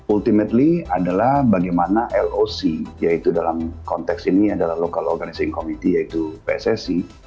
ultimately adalah bagaimana loc yaitu dalam konteks ini adalah local organizing committee yaitu pssi